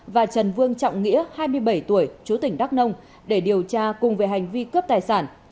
và trần vương trọng nghĩa hai mươi bảy tuổi chú tỉnh đắk nông để điều tra cùng về hành vi cướp tài sản